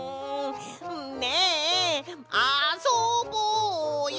ねえあそぼうよ！